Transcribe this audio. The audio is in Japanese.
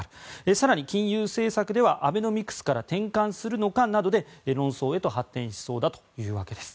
更に金融政策ではアベノミクスから転換するのかなどで論争へと発展しそうだというわけです。